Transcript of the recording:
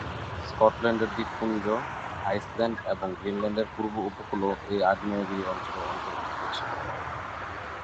স্কটল্যান্ডের দ্বীপপুঞ্জ, আইসল্যান্ড এবং গ্রিনল্যান্ডের পূর্ব-উপকূলও এ আগ্নেয়গিরি অঞ্চলের অন্তর্ভুক্ত ছিল।